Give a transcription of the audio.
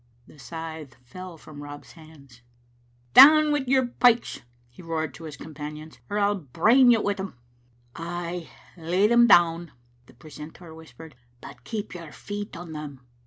The scythe fell from Rob's hands. " Down wi' your pikes," he roared to his companions, or I'll brain you wi' them." "Ay, lay them down," the precentor whispered, "but keep your feet on them."